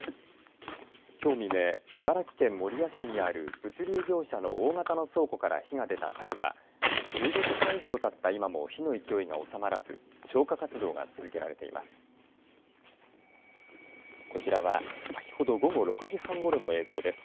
きょう未明、茨城県守谷市にある物流業者の大型の倉庫から火が出た火事は１５時間以上たった今も火の勢いが収まらず消火活動が続けられています。